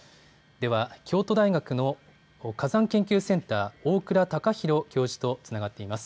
では京都大学の火山研究センター、大倉敬宏教授とつながっています。